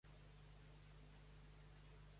A qui ha atacat el diari de La Vanguardia?